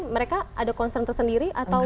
mereka ada concern tersendiri atau